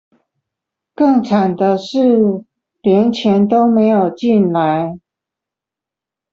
更慘的是連錢都沒有進來